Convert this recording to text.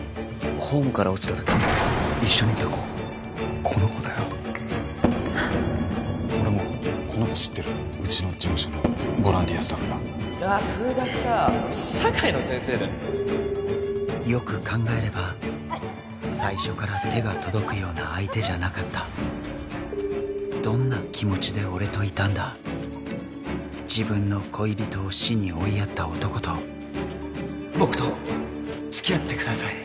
ホームから落ちた時一緒にいた子この子だよ・俺もこの子知ってるウチの事務所のボランティアスタッフだ数学か俺社会の先生だよよく考えれば最初から手が届くような相手じゃなかったどんな気持ちで俺といたんだ自分の恋人を死に追いやった男と僕と付き合ってください